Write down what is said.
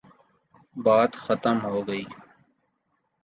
بات ختم ہو گئی۔